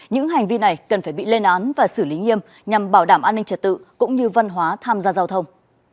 những hành vi này cần phải bị lên án và xử lý nghiêm nhằm bảo đảm an ninh trật tự cũng như văn hóa tham gia giao thông